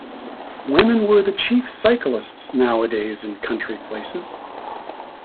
Women were the chief cyclists nowadays in country places.